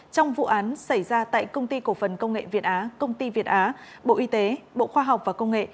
trong vụ án xảy ra tại công ty cổ phần công nghệ việt á công ty việt á bộ y tế bộ khoa học và công nghệ